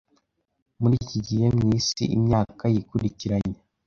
Muri iki gihe mu Isi imyaka yikurikiranya